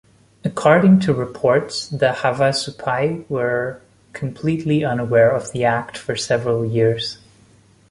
According to reports, the Havasupai were completely unaware of the act for several years.